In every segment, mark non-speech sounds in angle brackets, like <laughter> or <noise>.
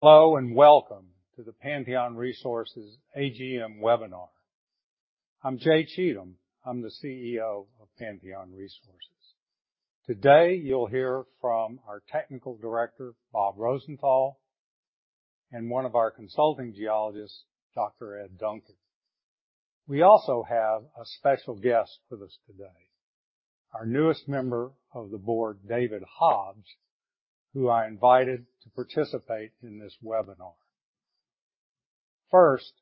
Hello and welcome to the Pantheon Resources AGM webinar. I'm Jay Cheatham. I'm the CEO of Pantheon Resources. Today, you'll hear from our Technical Director, Bob Rosenthal, and one of our Consulting Geologists, Dr. Ed Duncan. We also have a special guest with us today, our newest member of the board, David Hobbs, who I invited to participate in this webinar. First,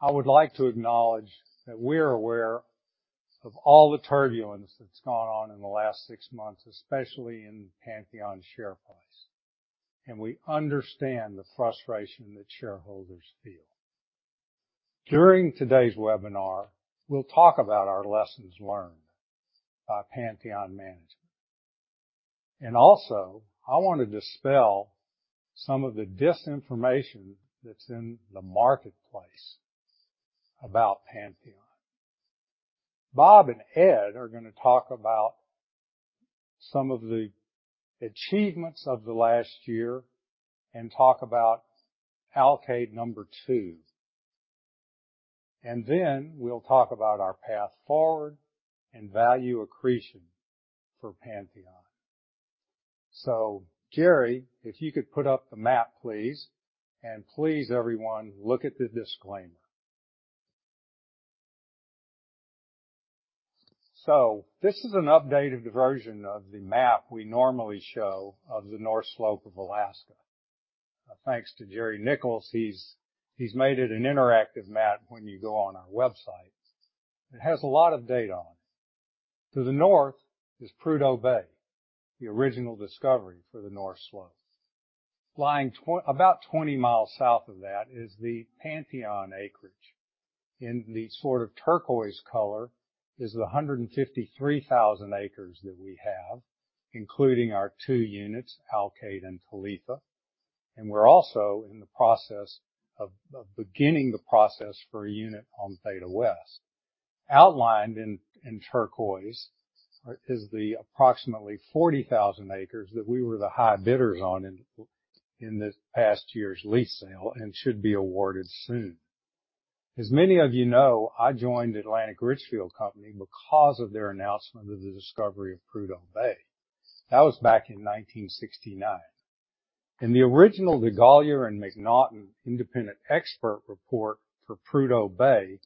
I would like to acknowledge that we're aware of all the turbulence that's gone on in the last six months, especially in Pantheon share price, and we understand the frustration that shareholders feel. During today's webinar, we'll talk about our lessons learned by Pantheon management. Also, I wanna dispel some of the disinformation that's in the marketplace about Pantheon. Bob and Ed are gonna talk about some of the achievements of the last year and talk about Alkaid-2. Then we'll talk about our path forward and value accretion for Pantheon. Jerry, if you could put up the map, please. Please, everyone, look at the disclaimer. This is an updated version of the map we normally show of the North Slope of Alaska. Thanks to Jerry Nichols, he's made it an interactive map when you go on our website. It has a lot of data on it. To the north is Prudhoe Bay, the original discovery for the North Slope. Lying about 20 mi south of that is the Pantheon acreage. In the sort of turquoise color is the 153,000 acres that we have, including our two units, Alkaid and Talitha. We're also in the process of beginning the process for a unit on Theta West. Outlined in turquoise is the approximately 40,000 acres that we were the high bidders on in this past year's lease sale and should be awarded soon. As many of you know, I joined Atlantic Richfield Company because of their announcement of the discovery of Prudhoe Bay. That was back in 1969. The original DeGolyer and MacNaughton independent expert report for Prudhoe Bay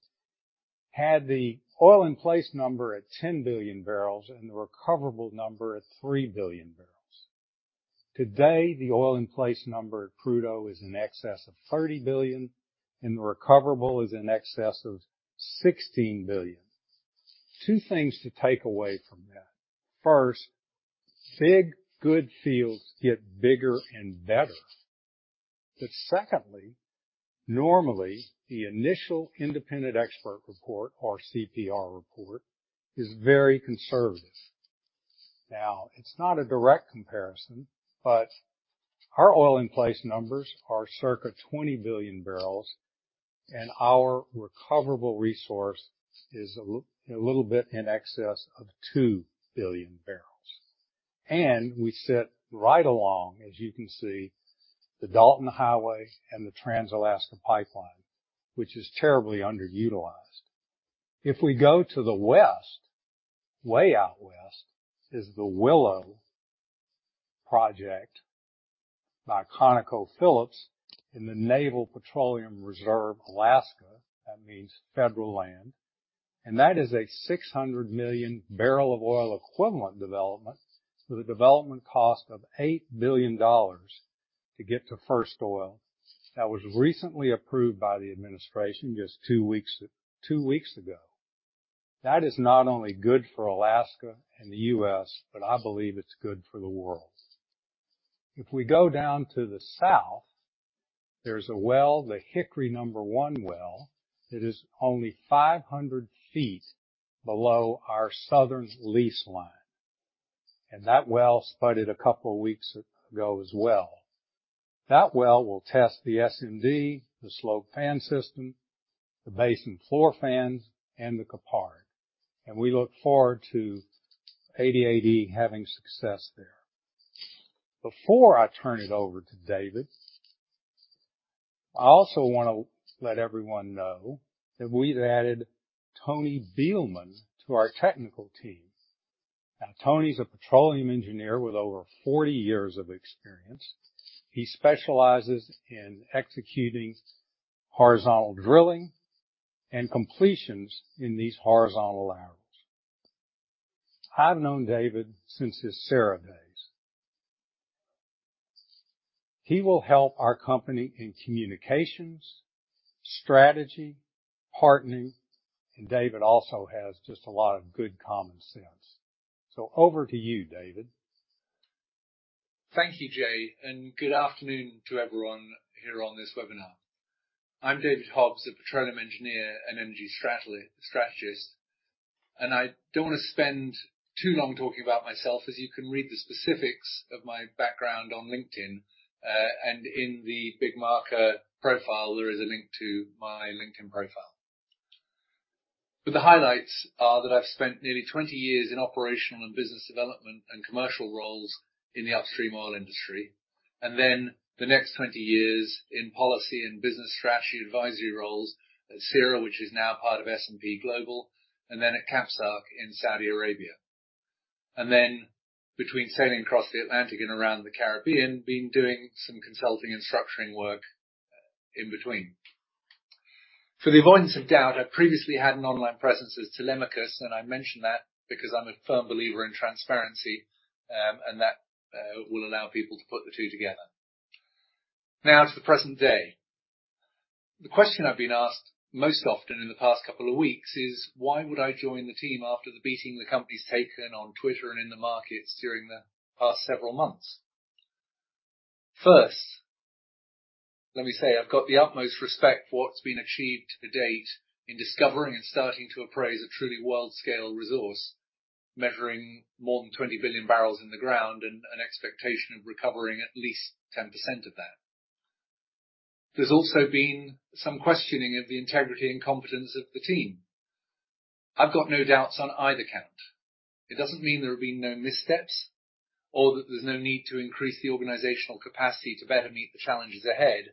had the oil in place number at 10,000,000,000 bbl and the recoverable number at 3,000,000,000 bbl. Today, the oil in place number at Prudhoe is in excess of 30,000,000,000, and the recoverable is in excess of 16,000,000,000. Two things to take away from that. First, big good fields get bigger and better. Secondly, normally, the initial independent expert report or CPR report is very conservative. Now, it's not a direct comparison, but our oil in place numbers are circa 20,000,000,000 bbl, and our recoverable resource is a little bit in excess of 2,000,000,000 bbl. We sit right along, as you can see, the Dalton Highway and the Trans-Alaska Pipeline, which is terribly underutilized. If we go to the west, way out west is the Willow project by ConocoPhillips in the National Petroleum Reserve-Alaska. That means federal land. That is a 600,000,000 bbl of oil equivalent development with a development cost of $8 billion to get to first oil. That was recently approved by the administration just two weeks ago. That is not only good for Alaska and the U.S., but I believe it's good for the world. If we go down to the south, there's a well, the Hickory-1 well, that is only 500 ft below our southern lease line. That well spudded a couple weeks ago as well. That well will test the SMD, the Slope Fan System, the Basin Floor Fans, and the Kuparuk. We look forward to 88 Energy having success there. Before I turn it over to David, I also wanna let everyone know that we've added Tony Beilman to our technical team. Now, Tony's a petroleum engineer with over 40 years of experience. He specializes in executing horizontal drilling and completions in these horizontals. I've known David since his ARCO days. He will help our company in communications, strategy, partnering, and David also has just a lot of good common sense. Over to you, David. Thank you, Jay, and good afternoon to everyone here on this webinar. I'm David Hobbs, a petroleum engineer and energy strategist, and I don't wanna spend too long talking about myself as you can read the specifics of my background on LinkedIn. In the big market profile, there is a link to my LinkedIn profile. The highlights are that I've spent nearly 20 years in operational and business development and commercial roles in the upstream oil industry, and then the next 20 years in policy and business strategy advisory roles at CERA, which is now part of S&P Global, and then at KAPSARC in Saudi Arabia. Between sailing across the Atlantic and around the Caribbean, been doing some consulting and structuring work, in between. For the avoidance of doubt, I previously had an online presence as Telemachus, and I mention that because I'm a firm believer in transparency, and that will allow people to put the two together. Now to the present day. The question I've been asked most often in the past couple of weeks is, why would I join the team after the beating the company's taken on Twitter and in the markets during the past several months? First, let me say I've got the utmost respect for what's been achieved to date in discovering and starting to appraise a truly world-scale resource, measuring more than 20,000,000,000 bbl in the ground and an expectation of recovering at least 10% of that. There's also been some questioning of the integrity and competence of the team. I've got no doubts on either count. It doesn't mean there have been no missteps or that there's no need to increase the organizational capacity to better meet the challenges ahead.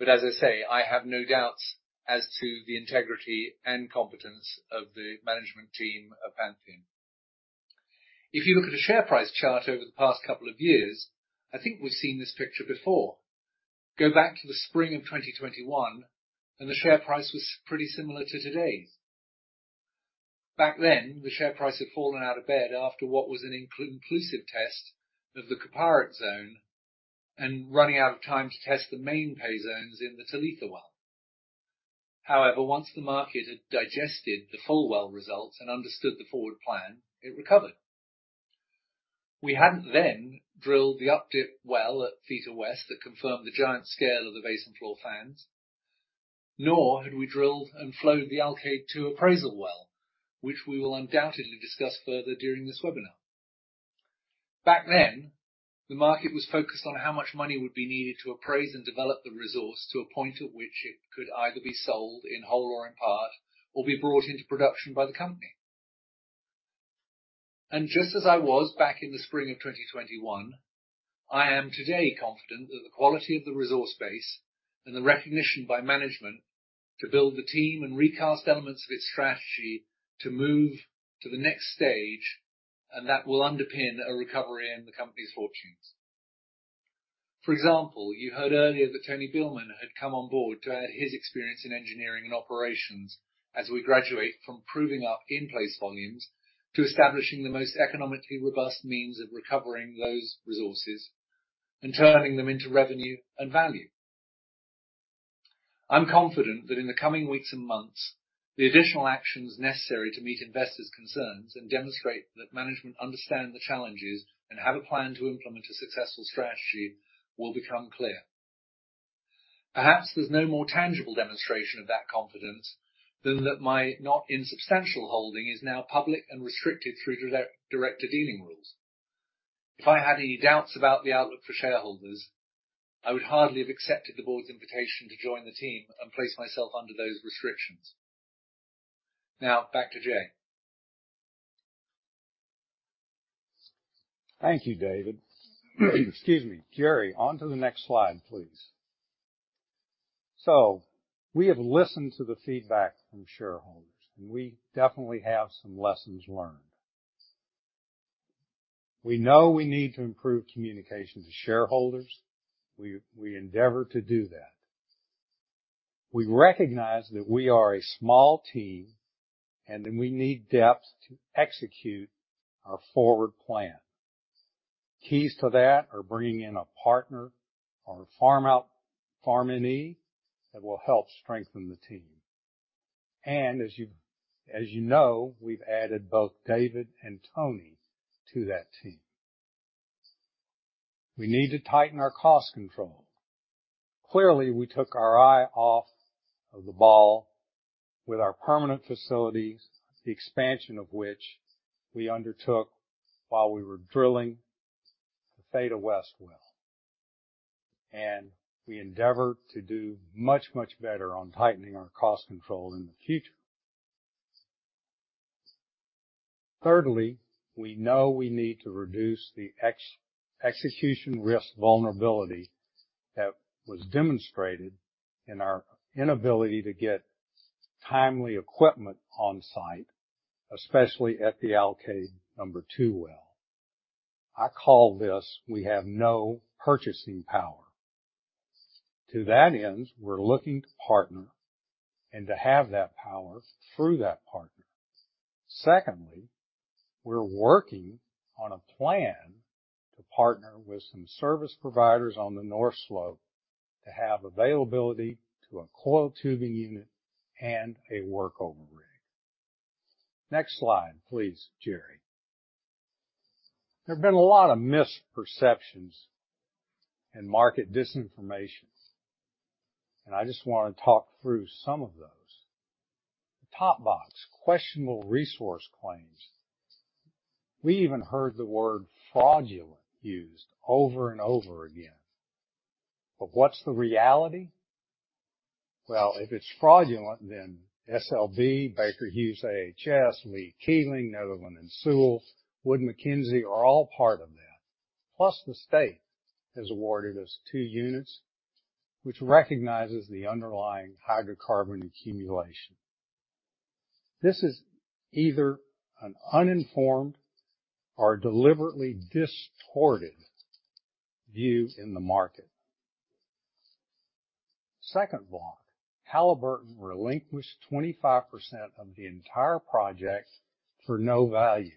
As I say, I have no doubts as to the integrity and competence of the management team of Pantheon. If you look at a share price chart over the past couple of years, I think we've seen this picture before. Go back to the spring of 2021, and the share price was pretty similar to today's. Back then, the share price had fallen out of bed after what was an inconclusive test of the Kuparuk Zone and running out of time to test the main pay zones in the Talitha well. However, once the market had digested the full well results and understood the forward plan, it recovered. We hadn't then drilled the updip well at Theta West that confirmed the giant scale of the Basin Floor Fans, nor had we drilled and flowed the Alkaid-2 appraisal well, which we will undoubtedly discuss further during this webinar. Back then, the market was focused on how much money would be needed to appraise and develop the resource to a point at which it could either be sold in whole or in part, or be brought into production by the company. Just as I was back in the spring of 2021, I am today confident that the quality of the resource base and the recognition by management to build the team and recast elements of its strategy to move to the next stage, and that will underpin a recovery in the company's fortunes. For example, you heard earlier that Tony Beilman had come on board to add his experience in engineering and operations as we graduate from proving up in-place volumes to establishing the most economically robust means of recovering those resources and turning them into revenue and value. I'm confident that in the coming weeks and months, the additional actions necessary to meet investors' concerns and demonstrate that management understand the challenges and have a plan to implement a successful strategy will become clear. Perhaps there's no more tangible demonstration of that confidence than that my not insubstantial holding is now public and restricted through director dealing rules. If I had any doubts about the outlook for shareholders, I would hardly have accepted the board's invitation to join the team and place myself under those restrictions. Now, back to Jay. Thank you, David. Excuse me. Jerry, on to the next slide, please. We have listened to the feedback from shareholders, and we definitely have some lessons learned. We know we need to improve communication to shareholders. We endeavor to do that. We recognize that we are a small team, and that we need depth to execute our forward plan. Keys to that are bringing in a partner or a farm-out, farm-in ee that will help strengthen the team. As you know, we've added both David and Tony to that team. We need to tighten our cost control. Clearly, we took our eye off of the ball with our permanent facilities, the expansion of which we undertook while we were drilling the Theta West well. We endeavor to do much, much better on tightening our cost control in the future. Thirdly, we know we need to reduce the execution risk vulnerability that was demonstrated in our inability to get timely equipment on site, especially at the Alkaid-2 well. I call this we have no purchasing power. To that end, we're looking to partner and to have that power through that partner. Secondly, we're working on a plan to partner with some service providers on the North Slope to have availability to a coiled tubing unit and a workover rig. Next slide, please, Jerry. There have been a lot of misperceptions and market disinformation, and I just wanna talk through some of those. The top box, questionable resource claims. We even heard the word fraudulent used over and over again. But what's the reality? Well, if it's fraudulent, then SLB, Baker Hughes, AHS, Lee Keeling, Netherland and Sewell, Wood Mackenzie are all part of that. The state has awarded us two units which recognizes the underlying hydrocarbon accumulation. This is either an uninformed or deliberately distorted view in the market. Second block, Halliburton relinquished 25% of the entire project for no value.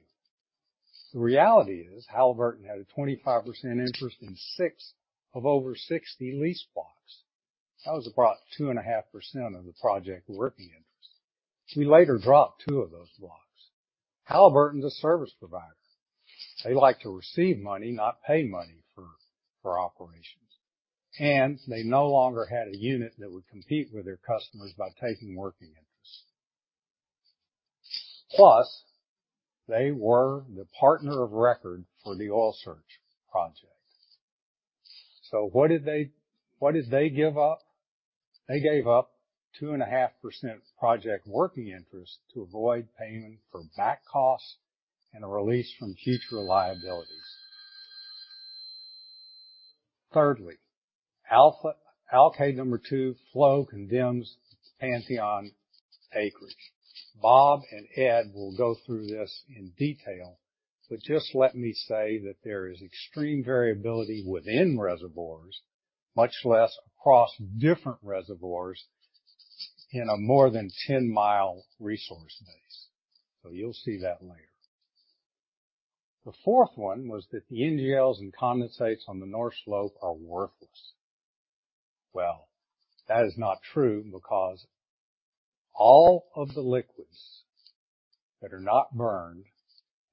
The reality is Halliburton had a 25% interest in six of over 60 lease blocks. That was about 2.5% of the project working interest. We later dropped two of those blocks. Halliburton's a service provider. They like to receive money, not pay money for operations. They no longer had a unit that would compete with their customers by taking working interest. They were the partner of record for the Oil Search project. What did they give up? They gave up 2.5% project working interest to avoid payment for back costs and a release from future liabilities. Thirdly, Alkaid-2 flow condemns Pantheon acreage. Bob and Ed will go through this in detail, but just let me say that there is extreme variability within reservoirs, much less across different reservoirs in a more than 10 mi resource base. So you'll see that later. The fourth one was that the NGLs and condensates on the North Slope are worthless. Well, that is not true because all of the liquids that are not burned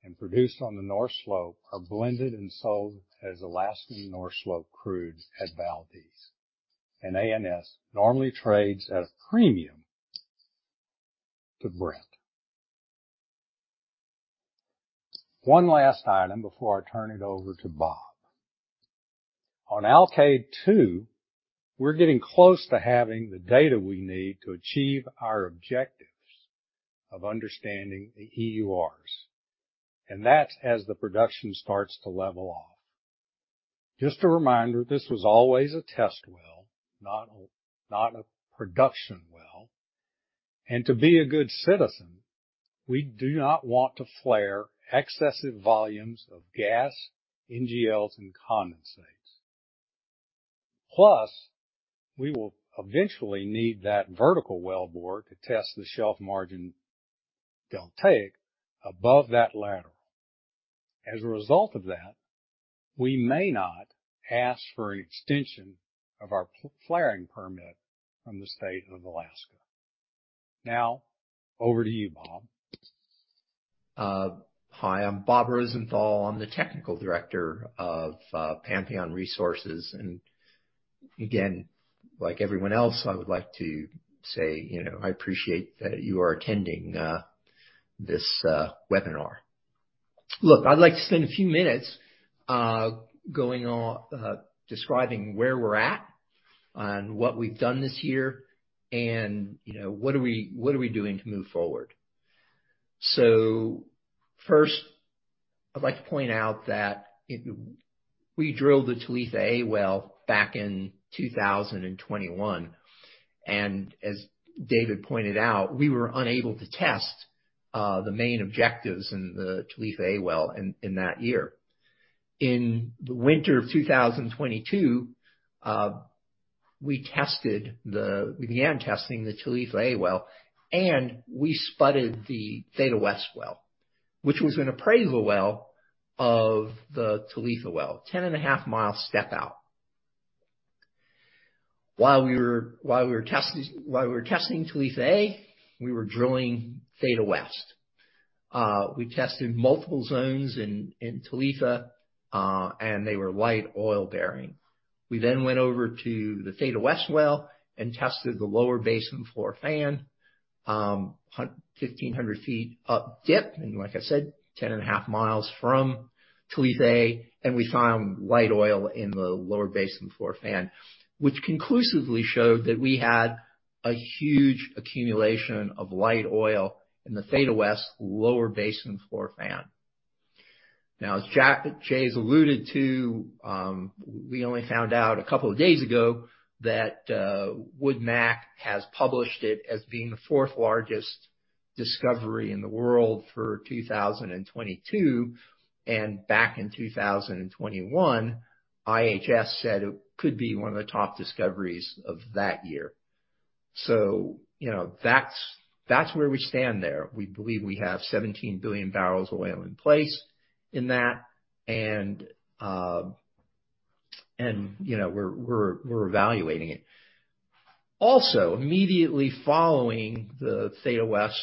and produced on the North Slope are blended and sold as Alaskan North Slope crude at Valdez. ANS normally trades at a premium to Brent. One last item before I turn it over to Bob. On Alkaid-2, we're getting close to having the data we need to achieve our objectives of understanding the EURs, and that's as the production starts to level off. Just a reminder, this was always a test well, not a production well. To be a good citizen, we do not want to flare excessive volumes of gas, NGLs and condensates. Plus, we will eventually need that vertical wellbore to test the Shelf Margin Deltaic above that lateral. As a result of that, we may not ask for an extension of our pilot-flaring permit from the state of Alaska. Now, over to you, Bob. Hi, I'm Bob Rosenthal. I'm the Technical Director of Pantheon Resources. Again, like everyone else, I would like to say, you know, I appreciate that you are attending this webinar. Look, I'd like to spend a few minutes going on describing where we're at and what we've done this year and, you know, what are we doing to move forward. First, I'd like to point out that we drilled the Talitha-A well back in 2021. As David pointed out, we were unable to test the main objectives in the Talitha-A well in that year. In the winter of 2022, we began testing the Talitha-A well, and we spudded the Theta West well, which was an appraisal well of the Talitha well, 10.5 mi step out. While we were testing Talitha-A, we were drilling Theta West. We tested multiple zones in Talitha, and they were light oil-bearing. We then went over to the Theta West well and tested the Lower Basin Floor Fan, 1,500 ft up dip, and like I said, 10.5 mi from Talitha-A, and we found light oil in the Lower Basin Floor Fan, which conclusively showed that we had a huge accumulation of light oil in the Theta West Lower Basin Floor Fan. As Jay's alluded to, we only found out a couple of days ago that WoodMac has published it as being the fourth largest discovery in the world for 2022. Back in 2021, IHS said it could be one of the top discoveries of that year. You know, that's where we stand there. We believe we have 17,000,000,000 bbl of oil in place in that and we're evaluating it. Immediately following the Theta West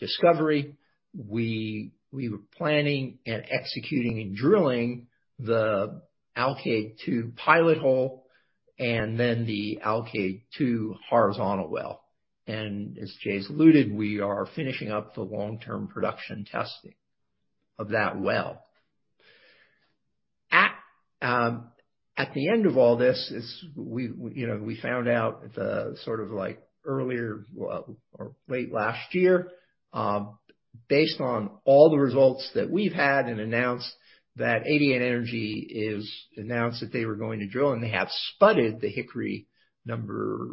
discovery, we were planning and executing and drilling the Alkaid-2 pilot hole and then the Alkaid-2 horizontal well. As Jay's alluded, we are finishing up the long-term production testing of that well. At the end of all this is we, you know, we found out the sort of like earlier or late last year, based on all the results that we've had and announced that 88 Energy announced that they were going to drill, and they have spudded the Hickory-1,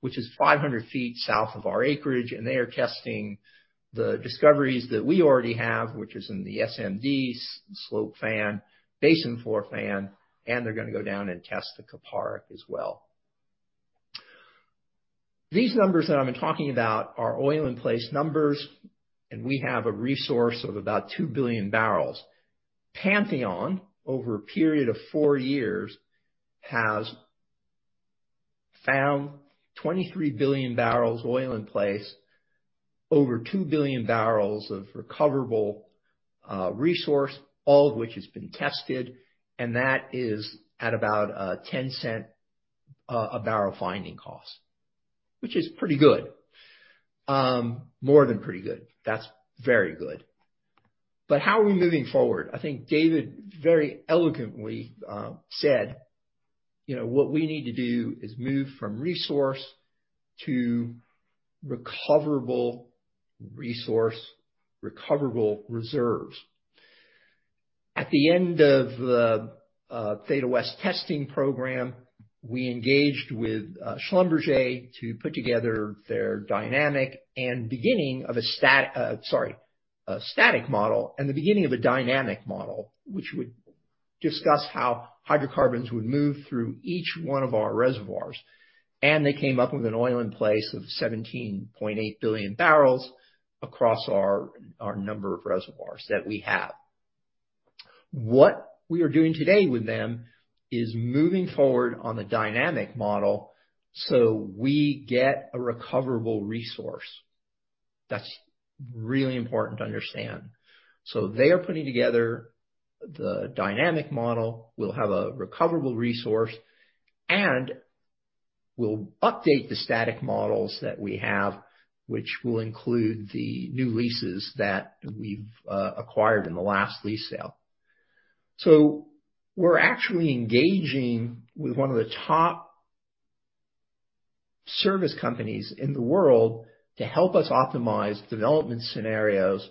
which is 500 ft south of our acreage, and they are testing the discoveries that we already have, which is in the SMD Slope Fan System, Basin Floor Fan, and they're gonna go down and test the Kuparuk as well. These numbers that I've been talking about are oil in place numbers, and we have a resource of about 2,000,000,000 bbl. Pantheon, over a period of four years, has found 23,000,000,000 bbl oil in place, over 2,000,000,000 bbl of recoverable resource, all of which has been tested, and that is at about $0.10 a barrel finding cost. Which is pretty good. More than pretty good. That's very good. How are we moving forward? I think David very eloquently said, you know, what we need to do is move from resource to recoverable resource, recoverable reserves. At the end of the Theta West testing program, we engaged with Schlumberger to put together their dynamic and beginning of a static model and the beginning of a dynamic model, which would discuss how hydrocarbons would move through each one of our reservoirs. They came up with an oil in place of 17,800,000,000 bbl across our number of reservoirs that we have. What we are doing today with them is moving forward on the dynamic model so we get a recoverable resource. That's really important to understand. They are putting together the dynamic model. We'll have a recoverable resource, and we'll update the static models that we have, which will include the new leases that we've acquired in the last lease sale. We're actually engaging with one of the top service companies in the world to help us optimize development scenarios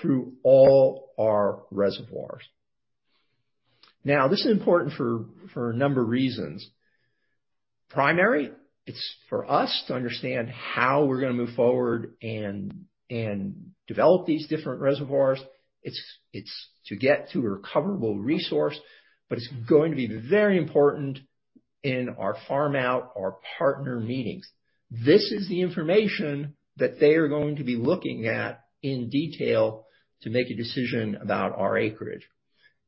through all our reservoirs. Now, this is important for a number of reasons. Primary, it's for us to understand how we're gonna move forward and develop these different reservoirs. It's to get to a recoverable resource, but it's going to be very important in our farm out, our partner meetings. This is the information that they are going to be looking at in detail to make a decision about our acreage.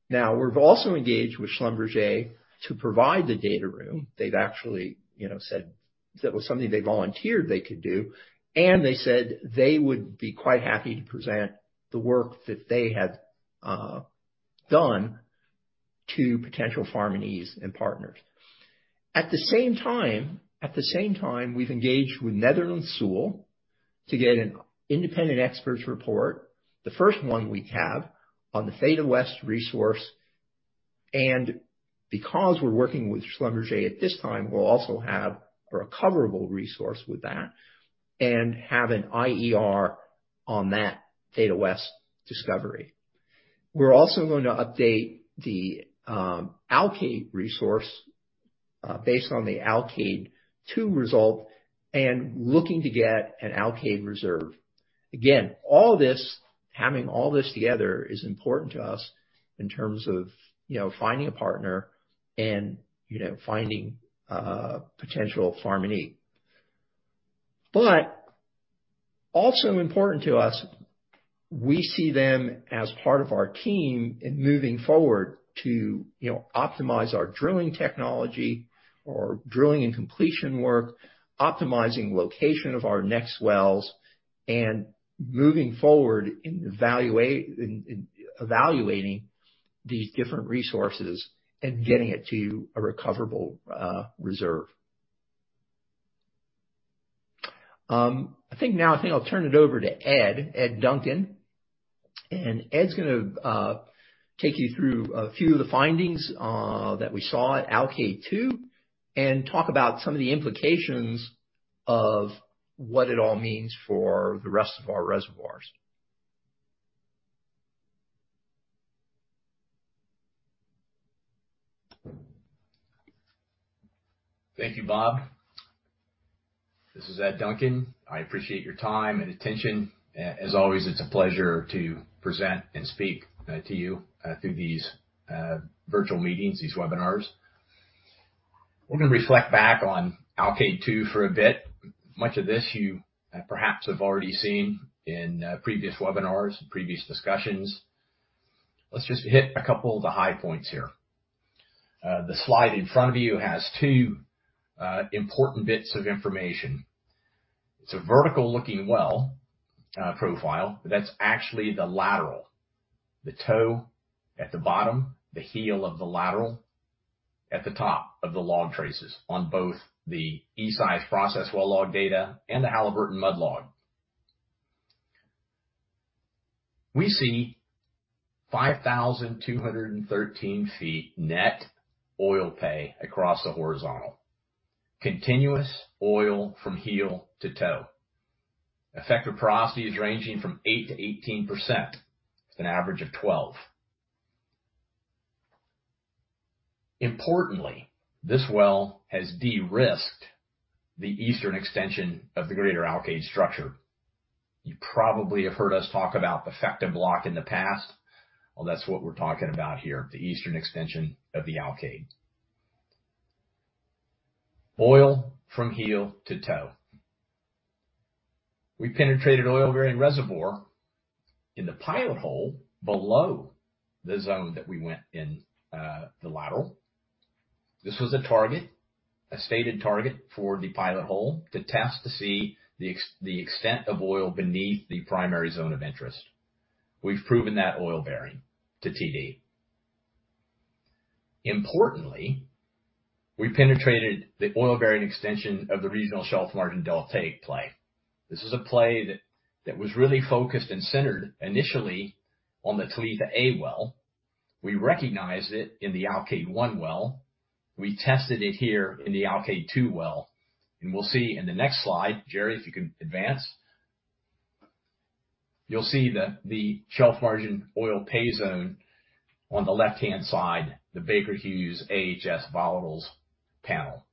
Now, we've also engaged with Schlumberger to provide the data room. They've actually, you know, said that was something they volunteered they could do, and they said they would be quite happy to present the work that they have done to potential farmees and partners. At the same time, we've engaged with Netherland, Sewell to get an independent expert's report, the first one we have on the Theta West resource. Because we're working with Schlumberger at this time, we'll also have a recoverable resource with that and have an IER on that Theta West discovery. We're also going to update the Alkaid resource based on the Alkaid-2 result and looking to get an Alkaid reserve. Again, all this, having all this together is important to us in terms of, you know, finding a partner and, you know, finding a potential farmee. But also important to us, we see them as part of our team in moving forward to, you know, optimize our drilling technology or drilling and completion work, optimizing location of our next wells, and moving forward in evaluating these different resources and getting it to a recoverable reserve. I think I'll turn it over to Ed Duncan, and Ed's gonna take you through a few of the findings that we saw at Alkaid-2 and talk about some of the implications of what it all means for the rest of our reservoirs. Thank you, Bob. This is Ed Duncan. I appreciate your time and attention. As always, it's a pleasure to present and speak to you through these virtual meetings, these webinars. We're gonna reflect back on Alkaid-2 for a bit. Much of this you perhaps have already seen in previous webinars and previous discussions. Let's just hit a couple of the high points here. The slide in front of you has two important bits of information. It's a vertical looking well profile, but that's actually the lateral. The toe at the bottom, the heel of the lateral at the top of the log traces on both the eSeis process well log data and the Halliburton mud log. We see 5,213 ft net oil pay across the horizontal, continuous oil from heel to toe. Effective porosity is ranging from 8%-18% with an average of 12%. Importantly, this well has de-risked the eastern extension of the Greater Alkaid structure. You probably have heard us talk about effective block in the past. Well, that's what we're talking about here, the eastern extension of the Alkaid. Oil from heel to toe. We penetrated oil-bearing reservoir in the pilot hole below the zone that we went in the lateral. This was a target, a stated target for the pilot hole to test to see the extent of oil beneath the primary zone of interest. We've proven that oil-bearing to TD. Importantly, we penetrated the oil-bearing extension of the regional Shelf Margin Deltaic play. This is a play that was really focused and centered initially on the Talitha-A well. We recognized it in the Alkaid-1 well. We tested it here in the Alkaid-2 well, and we'll see in the next slide. Jerry, if you can advance. You'll see the shelf margin oil pay zone on the left-hand side, the Baker Hughes AHS volatiles panel.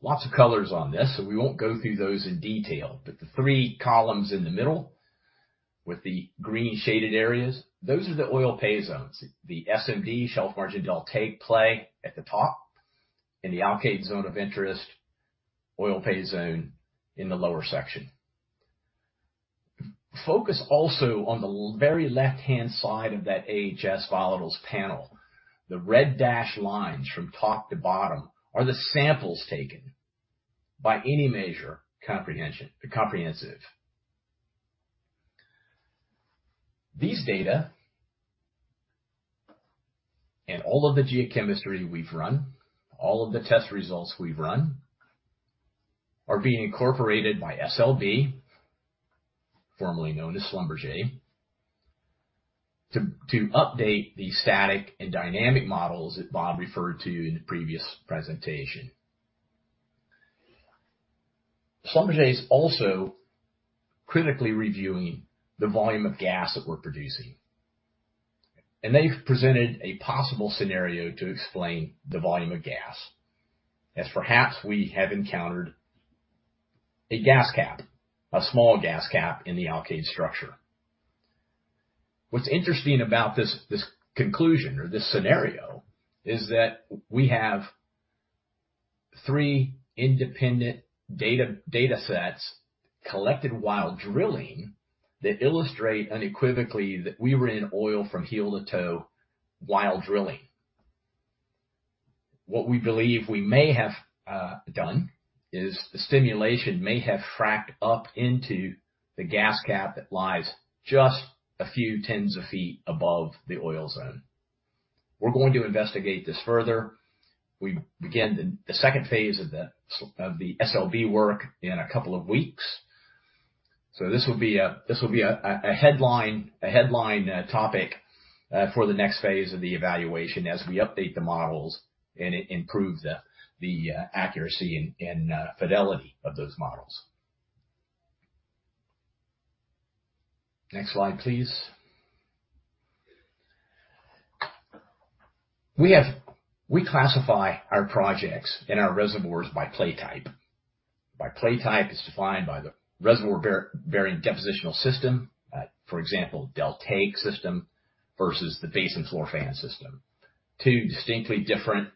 Lots of colors on this, so we won't go through those in detail, but the three columns in the middle with the green shaded areas, those are the oil pay zones. The SMD Shelf Margin Deltaic play at the top, and the Alkaid zone of interest oil pay zone in the lower section. Focus also on the very left-hand side of that AHS volatiles panel. The red dashed lines from top to bottom are the samples taken by any measure, comprehensive. These data and all of the geochemistry we've run, all of the test results we've run, are being incorporated by SLB, formerly known as Schlumberger, to update the static and dynamic models that Bob referred to in the previous presentation. Schlumberger is also critically reviewing the volume of gas that we're producing, and they've presented a possible scenario to explain the volume of gas. Perhaps we have encountered a gas cap, a small gas cap in the Alkaid structure. What's interesting about this conclusion or this scenario is that we have three independent data sets collected while drilling that illustrate unequivocally that we were in oil from heel to toe while drilling. What we believe we may have done is the stimulation may have fracked up into the gas cap that lies just a few tens of ft above the oil zone. We're going to investigate this further. We begin the second phase of the SLB work in a couple of weeks. This will be a headline topic for the next phase of the evaluation as we update the models and improve the accuracy and fidelity of those models. Next slide, please. We classify our projects and our reservoirs by play type. By play type is defined by the reservoir bearing depositional system. For example, deltaic system versus the Basin Floor Fan system. Two distinctly different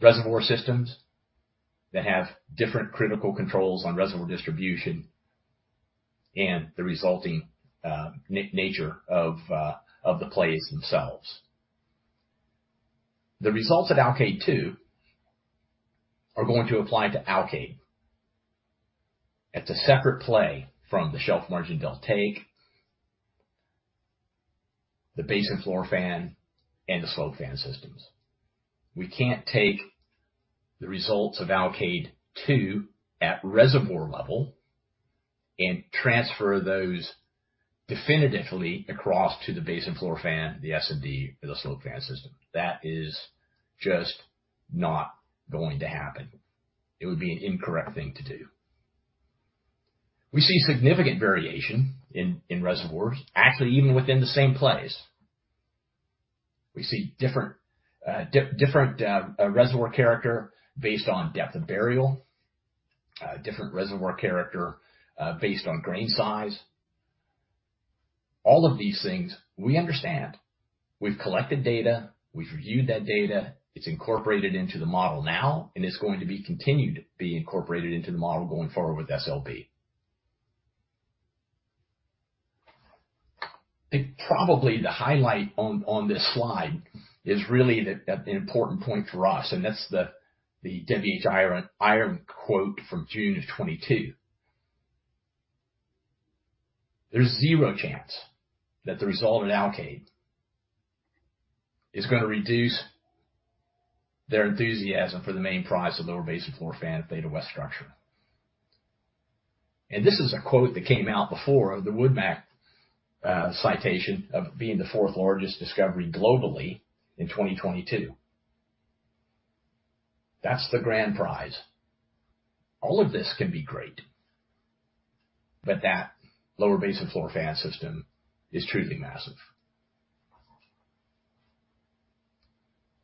reservoir systems that have different critical controls on reservoir distribution and the resulting nature of the plays themselves. The results at Alkaid-2 are going to apply to Alkaid. It's a separate play from the Shelf Margin Deltaic, the Basin Floor Fan, and the Slope Fan System. We can't take the results of Alkaid-2 at reservoir level and transfer those definitively across to the Basin Floor Fan, the SMD or the Slope Fan System. That is just not going to happen. It would be an incorrect thing to do. We see significant variation in reservoirs, actually, even within the same plays. We see different reservoir character based on depth of burial, different reservoir character based on grain size. All of these things we understand. We've collected data. We've reviewed that data. It's incorporated into the model now, and it's going to be continued to be incorporated into the model going forward with SLB. I think probably the highlight on this slide is really the important point for us, and that's the Huron quote from June of 2022. There's zero chance that the result at Alkaid is gonna reduce their enthusiasm for the main prize of Lower Basin Floor Fan at Theta West structure. This is a quote that came out before the WoodMac citation of being the fourth largest discovery globally in 2022. That's the grand prize. All of this can be great, but that Lower Basin Floor Fan system is truly massive.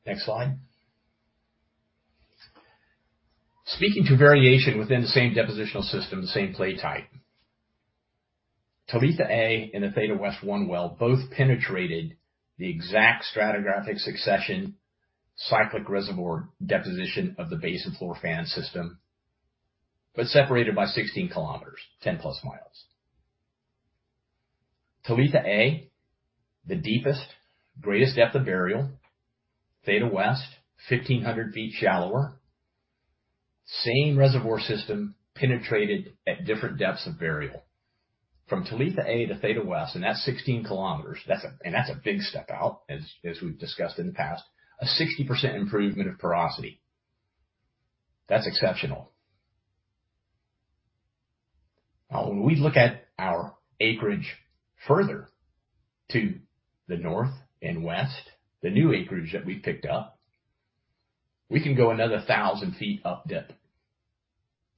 Next slide. Speaking to variation within the same depositional system, the same play type. Talitha-A and the Theta West one well both penetrated the exact stratigraphic succession cyclic reservoir deposition of the Basin Floor Fan system, but separated by 16 km, 10+ mi. Talitha-A, the deepest, greatest depth of burial. Theta West, 1,500 ft shallower. Same reservoir system penetrated at different depths of burial. From Talitha-A to Theta West, that's 16 km. That's a big step out as we've discussed in the past. A 60% improvement of porosity. That's exceptional. Now, when we look at our acreage further to the north and west, the new acreage that we've picked up, we can go another 1,000 ft updip.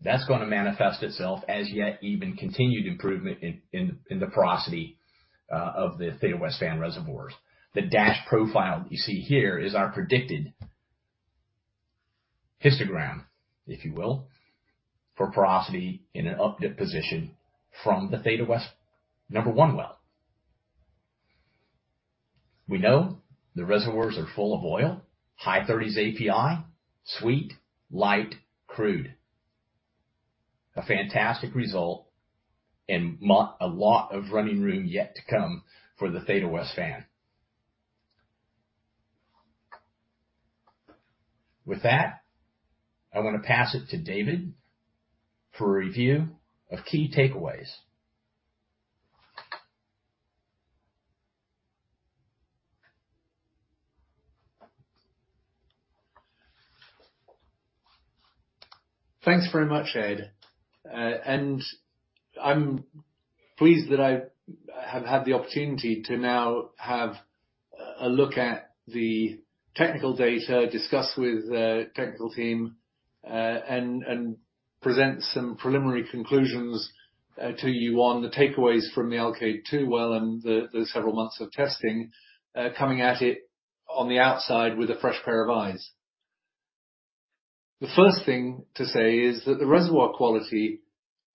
That's gonna manifest itself as yet even continued improvement in the porosity of the Theta West Fan reservoirs. The dash profile that you see here is our predicted histogram. If you will, for porosity in an updip position from the Theta West-1 well. We know the reservoirs are full of oil. High 30s API, sweet, light crude. A fantastic result and a lot of running room yet to come for the Theta West Fan. With that, I'm gonna pass it to David for a review of key takeaways. Thanks very much, Ed. I'm pleased that I have had the opportunity to now have a look at the technical data, discuss with the technical team, and present some preliminary conclusions to you on the takeaways from the Alkaid-2 well and the several months of testing, coming at it on the outside with a fresh pair of eyes. The first thing to say is that the reservoir quality,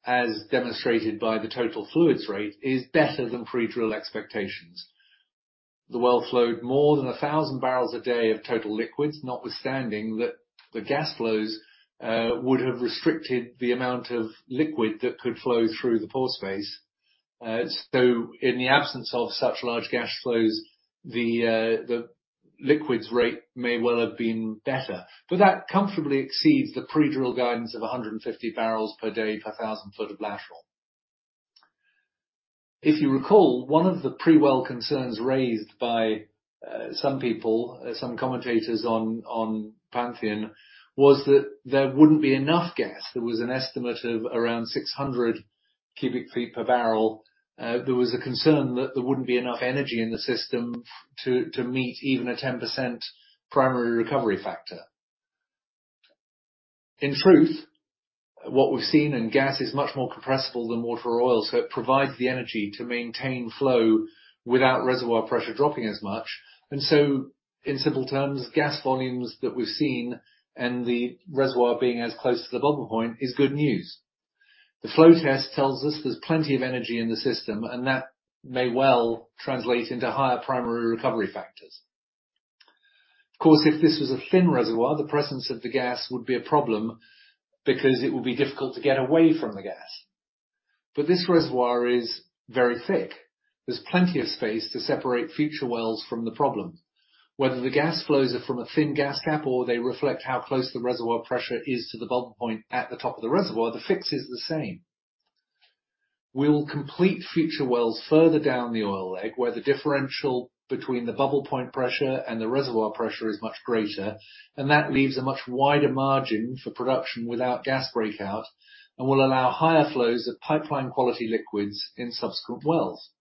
as demonstrated by the total fluids rate, is better than pre-drill expectations. The well flowed more than 1,000 bbl a day of total liquids, notwithstanding that the gas flows would have restricted the amount of liquid that could flow through the pore space. So in the absence of such large gas flows, the liquids rate may well have been better. That comfortably exceeds the pre-drill guidance of 150 bbl per day per 1,000 foot of lateral. If you recall, one of the pre-well concerns raised by some people, some commentators on Pantheon, was that there wouldn't be enough gas. There was an estimate of around 600 cubic ft per barrel. There was a concern that there wouldn't be enough energy in the system to meet even a 10% primary recovery factor. In truth, what we've seen in gas is much more compressible than water or oil, so it provides the energy to maintain flow without reservoir pressure dropping as much. In simple terms, gas volumes that we've seen and the reservoir being as close to the bubble point is good news. The flow test tells us there's plenty of energy in the system, and that may well translate into higher primary recovery factors. Of course, if this was a thin reservoir, the presence of the gas would be a problem because it would be difficult to get away from the gas. This reservoir is very thick. There's plenty of space to separate future wells from the problem. Whether the gas flows are from a thin gas cap or they reflect how close the reservoir pressure is to the bubble point at the top of the reservoir, the fix is the same. We will complete future wells further down the oil leg, where the differential between the bubble point pressure and the reservoir pressure is much greater, and that leaves a much wider margin for production without gas breakout and will allow higher flows of pipeline quality liquids in subsequent wells.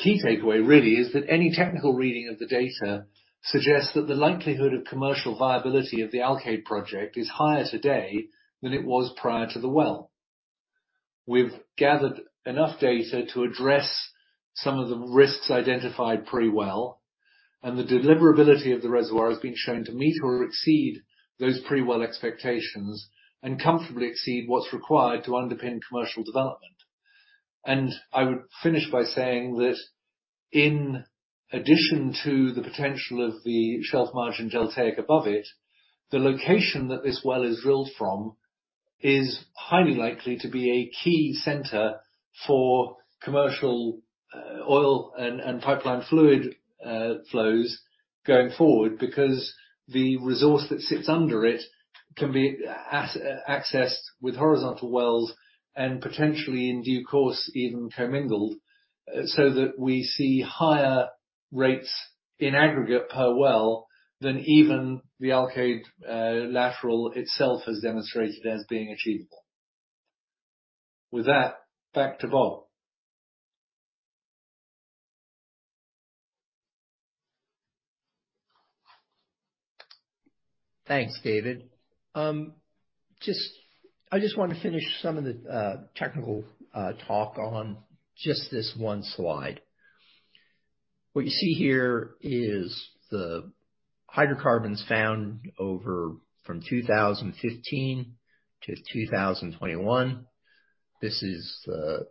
My key takeaway really is that any technical reading of the data suggests that the likelihood of commercial viability of the Alkaid project is higher today than it was prior to the well. We've gathered enough data to address some of the risks identified pre-well, and the deliverability of the reservoir has been shown to meet or exceed those pre-well expectations and comfortably exceed what's required to underpin commercial development. I would finish by saying that in addition to the potential of the Shelf Margin Deltaic above it, the location that this well is drilled from is highly likely to be a key center for commercial oil and pipeline fluid flows going forward because the resource that sits under it can be accessed with horizontal wells and potentially in due course, even commingled, so that we see higher rates in aggregate per well than even the Alkaid lateral itself has demonstrated as being achievable. With that, back to Bob. Thanks, David. I just want to finish some of the technical talk on just this one slide. What you see here is the hydrocarbons found over from 2015 to 2021. This is the,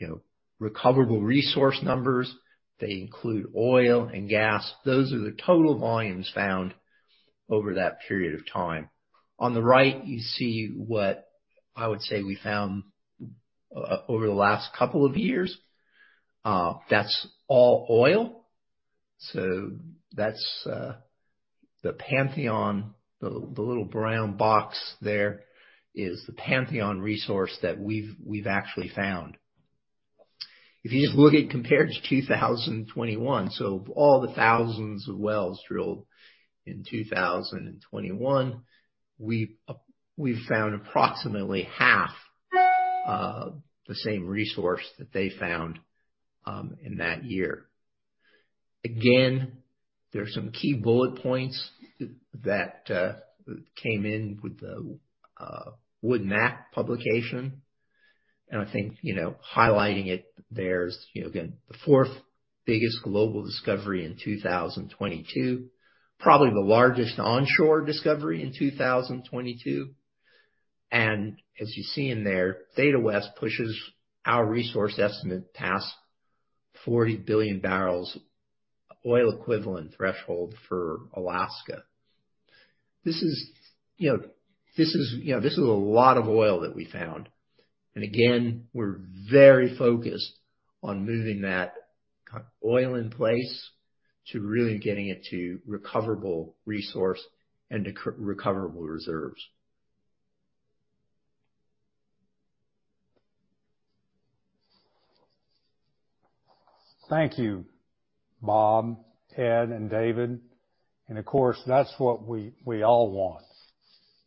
you know, recoverable resource numbers. They include oil and gas. Those are the total volumes found over that period of time. On the right, you see what I would say we found over the last couple of years. That's all oil. So that's the Pantheon. The little brown box there is the Pantheon resource that we've actually found. If you just look at compared to 2021, so all the thousands of wells drilled in 2021, we found approximately half the same resource that they found in that year. Again, there are some key bullet points that came in with the WoodMac publication. I think, you know, highlighting it, there's, you know, again, the fourth biggest global discovery in 2022, probably the largest onshore discovery in 2022. As you see in there, Theta West pushes our resource estimate past 40,000,000,000 bbl oil equivalent threshold for Alaska. This is, you know, a lot of oil that we found. We're very focused on moving that oil in place to really getting it to recoverable resource and recoverable reserves. Thank you, Bob, Ed, and David. Of course, that's what we all want.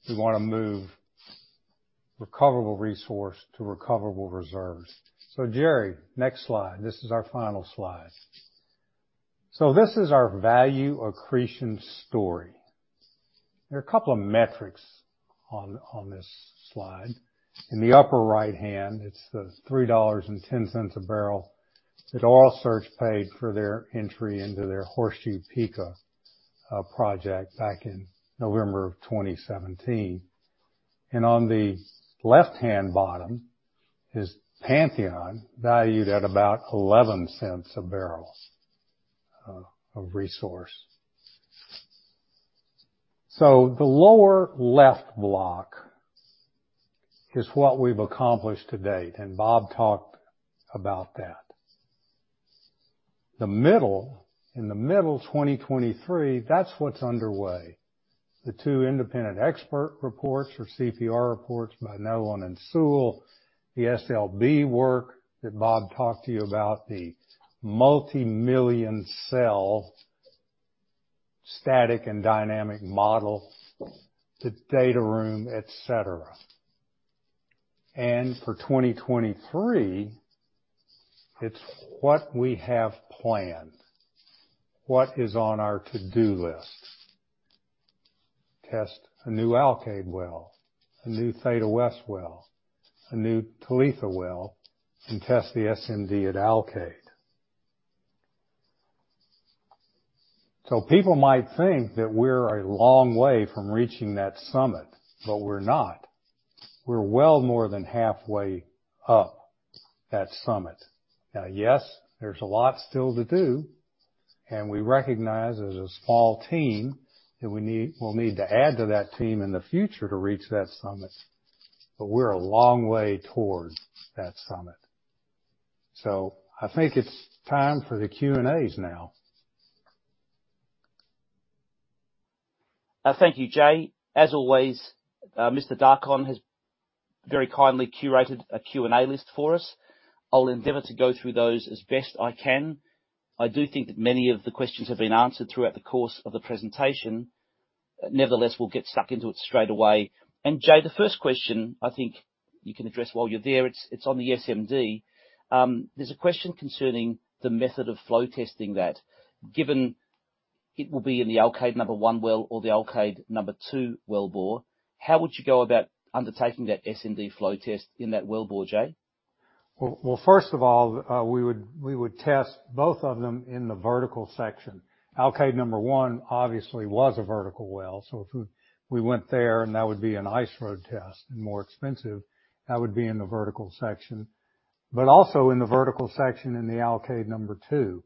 We wanna move recoverable resource to recoverable reserves. Jerry, next slide. This is our final slide. This is our value accretion story. There are a couple of metrics on this slide. In the upper right hand, it's the $3.10 a barrel that Oil Search paid for their entry into their Horseshoe-Pikka project back in November of 2017. On the left-hand bottom is Pantheon, valued at about $0.11 A barrel of resource. The lower left block is what we've accomplished to date, and Bob talked about that. The middle, 2023, that's what's underway. The two independent expert reports or CPR reports by Netherland, Sewell, the SLB work that Bob talked to you about, the multimillion-cell static and dynamic model, the data room, et cetera. For 2023, it's what we have planned. What is on our to-do list. Test a new Alkaid well, a new Theta West well, a new Talitha well, and test the SMD at Alkaid. People might think that we're a long way from reaching that summit, but we're not. We're well more than halfway up that summit. Now, yes, there's a lot still to do, and we recognize as a small team that we'll need to add to that team in the future to reach that summit. We're a long way towards that summit. I think it's time for the Q&As now. Thank you, Jay. As always, [Mr. Darcon] has very kindly curated a Q&A list for us. I'll endeavor to go through those as best I can. I do think that many of the questions have been answered throughout the course of the presentation. Nevertheless, we'll get stuck into it straight away. Jay, the first question I think you can address while you're there, it's on the SMD. There's a question concerning the method of flow testing that, given it will be in the Alkaid-1 well or the Alkaid-2 wellbore. How would you go about undertaking that SMD flow test in that wellbore, Jay? Well, first of all, we would test both of them in the vertical section. Alkaid-1 obviously was a vertical well. If we went there and that would be an ice road test and more expensive, that would be in the vertical section. But also in the vertical section in the Alkaid-2,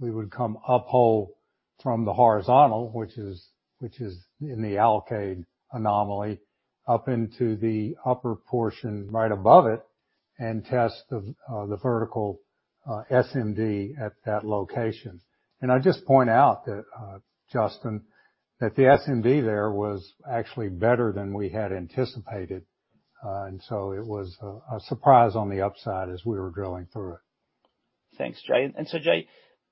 we would come up hole from the horizontal, which is in the Alkaid anomaly, up into the upper portion right above it and test the vertical SMD at that location. I just point out that, Justin, that the SMD there was actually better than we had anticipated. It was a surprise on the upside as we were drilling through it. Thanks, Jay. Jay,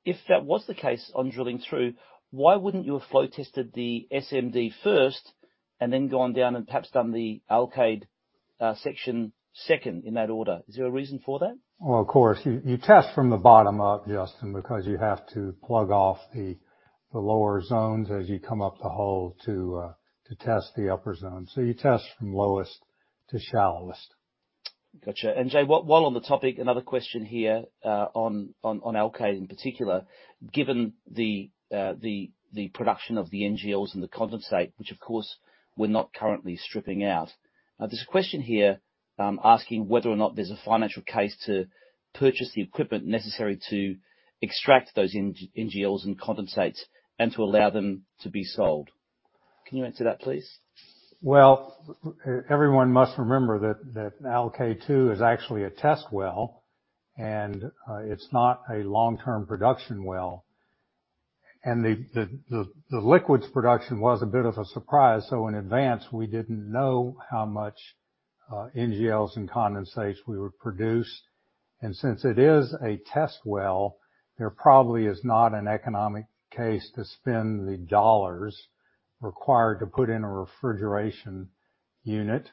if that was the case on drilling through, why wouldn't you have flow tested the SMD first and then gone down and perhaps done the Alkaid section second in that order? Is there a reason for that? Well, of course. You test from the bottom up, Justin, because you have to plug off the lower zones as you come up the hole to test the upper zone. You test from lowest to shallowest. Gotcha. Jay, while on the topic, another question here on Alkaid in particular. Given the production of the NGLs and the condensate, which of course we're not currently stripping out, there's a question here asking whether or not there's a financial case to purchase the equipment necessary to extract those NGLs and condensates and to allow them to be sold. Can you answer that, please? Well, everyone must remember that Alkaid-2 is actually a test well, and it's not a long-term production well. The liquids production was a bit of a surprise, so in advance, we didn't know how much NGLs and condensates we would produce. Since it is a test well, there probably is not an economic case to spend the dollars required to put in a refrigeration unit,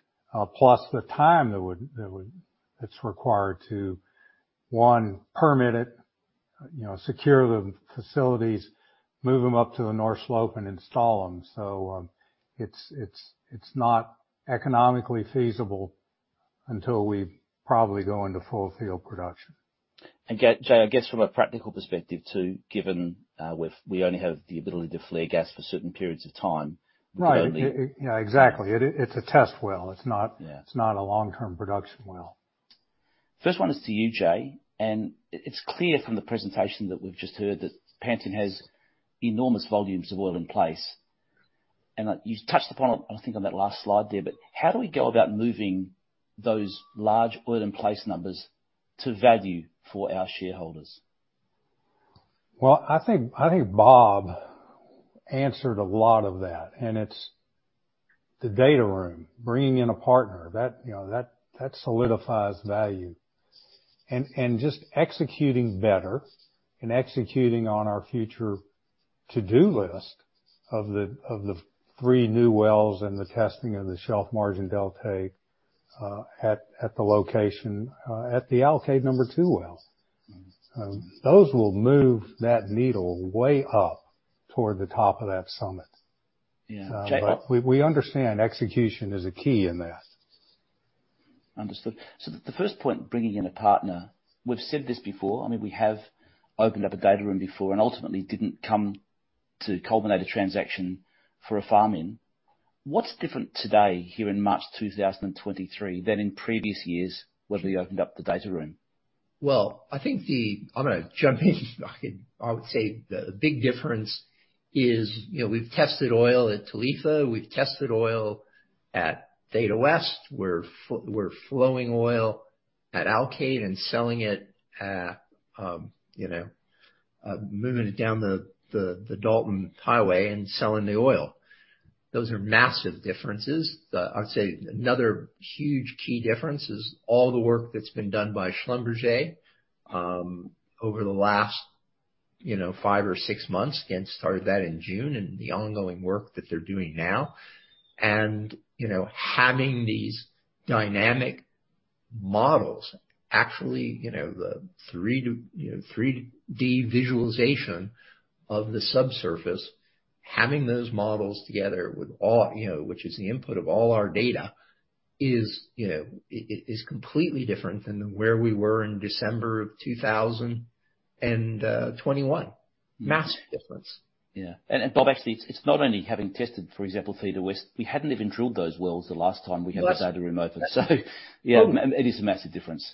plus the time that would that's required to one, permit it, you know, secure the facilities, move them up to the North Slope and install them. It's not economically feasible until we probably go into full field production. Jay, I guess from a practical perspective too, given, we only have the ability to flare gas for certain periods of time. We <crosstalk> can only- Right. Yeah, exactly. It's a test well. It's not. Yeah. It's not a long-term production well. First one is to you, Jay. It's clear from the presentation that we've just heard that Pantheon has enormous volumes of oil in place. You touched upon, I think on that last slide there, but how do we go about moving those large oil in place numbers to value for our shareholders? Well, I think Bob answered a lot of that, and it's the data room, bringing in a partner. That, you know, that solidifies value. And just executing better and executing on our future to-do list of the three new wells and the testing of the Shelf Margin Deltaic at the location at the Alkaid-2 well. Those will move that needle way up toward the top of that summit. Yeah. Jay- We understand execution is a key in this. Understood. The first point, bringing in a partner, we've said this before, I mean, we have opened up a data room before and ultimately didn't come to culminate a transaction for a farm in. What's different today here in March 2023 than in previous years, whether you opened up the data room? I'm gonna jump in. I would say the big difference is, you know, we've tested oil at Talitha, we've tested oil at Theta West. We're flowing oil at Alkaid and selling it, you know, moving it down the Dalton Highway and selling the oil. Those are massive differences. I'd say another huge key difference is all the work that's been done by Schlumberger over the last, you know, five or six months. Again, started that in June and the ongoing work that they're doing now. You know, having these dynamic models, actually, you know, 3D visualization of the subsurface, having those models together with all, you know, which is the input of all our data is, you know, it is completely different than where we were in December 2021. Massive difference. Yeah. Bob, actually, it's not only having tested, for example, Theta West. We hadn't even drilled those wells the last time we had. That's-. <crosstalk> The data room open. Yeah. Oh. It is a massive difference.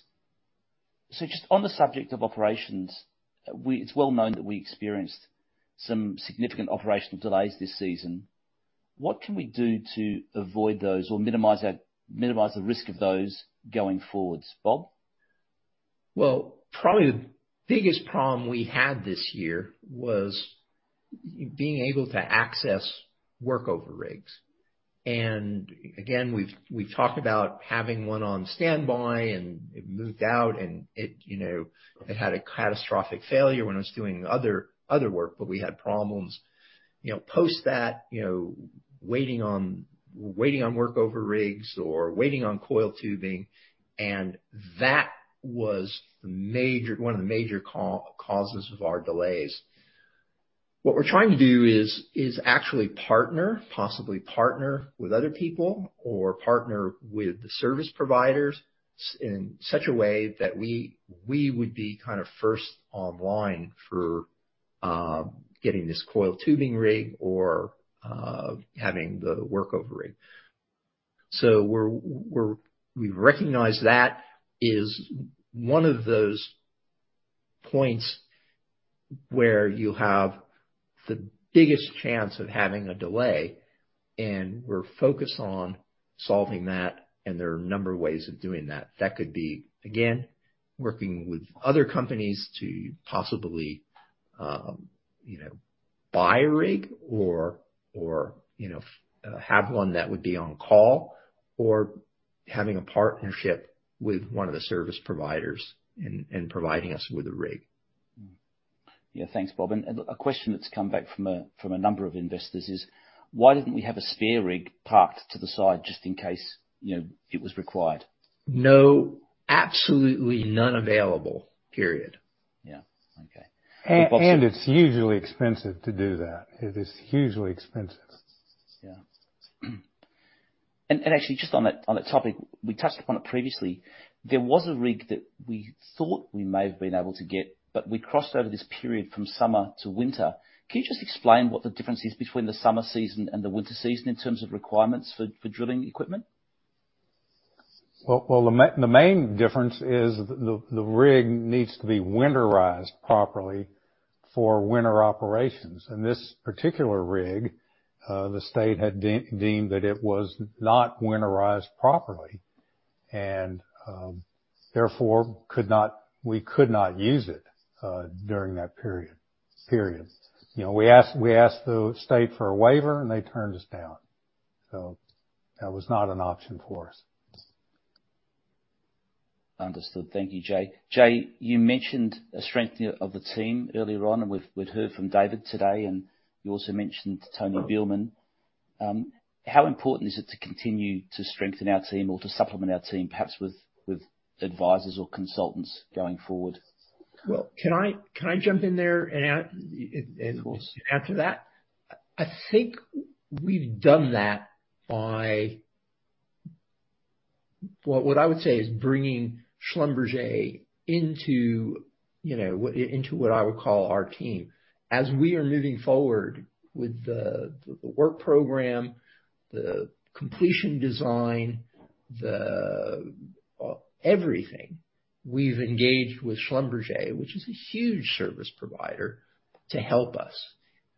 Just on the subject of operations, it's well known that we experienced some significant operational delays this season. What can we do to avoid those or minimize that, minimize the risk of those going forward? Bob? Well, probably the biggest problem we had this year was being able to access workover rigs. Again, we've talked about having one on standby, and it moved out and you know, it had a catastrophic failure when it was doing other work, but we had problems you know, post that you know, waiting on workover rigs or waiting on coil tubing, and that was one of the major causes of our delays. What we're trying to do is actually partner, possibly partner with other people or partner with the service providers in such a way that we would be kind of first in line for getting this coil tubing rig or having the workover rig. We recognize that is one of those points where you have the biggest chance of having a delay, and we're focused on solving that, and there are a number of ways of doing that. That could be, again, working with other companies to possibly, you know, buy a rig or, you know, have one that would be on call or having a partnership with one of the service providers and providing us with a rig. Yeah. Thanks, Bob. A question that's come back from a number of investors is: Why didn't we have a spare rig parked to the side just in case, you know, it was required? No. Absolutely none available, period. Yeah. Okay. Well. It's hugely expensive to do that. It is hugely expensive. Yeah. Actually just on that topic, we touched upon it previously. There was a rig that we thought we may have been able to get, but we crossed over this period from summer to winter. Can you just explain what the difference is between the summer season and the winter season in terms of requirements for drilling equipment? Well, the main difference is the rig needs to be winterized properly for winter operations. This particular rig, the state had deemed that it was not winterized properly and therefore we could not use it during that period. You know, we asked the state for a waiver, and they turned us down. That was not an option for us. Understood. Thank you, Jay. Jay, you mentioned a strength here of the team earlier on, and we've heard from David today, and you also mentioned Tony Beilman. How important is it to continue to strengthen our team or to supplement our team, perhaps with advisors or consultants going forward? Well, can I jump in there Of course. Answer that? I think we've done that by. Well, what I would say is bringing Schlumberger into, you know, what into what I would call our team. As we are moving forward with the work program, the completion design, everything, we've engaged with Schlumberger, which is a huge service provider, to help us.